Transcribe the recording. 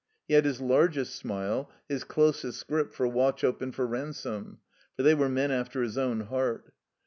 He had his largest smile, his closest grip for Wauchope and for Ransome, for they were men after his own heart.